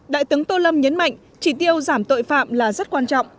đại tướng tô lâm nhấn mạnh chỉ tiêu giảm tội phạm là rất quan trọng